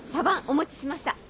お持ちしました。